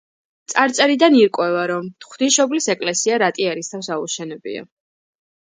წარწერიდან ირკვევა, რომ ღვთისმშობლის ეკლესია რატი ერისთავს აუშენებია.